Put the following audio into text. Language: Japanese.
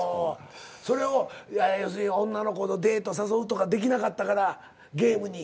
それを要するに女の子デート誘うとかできなかったからゲームに。